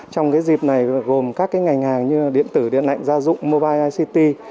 trong cái dịp này gồm các cái ngành hàng như điện tử điện lạnh gia dụng mobile ict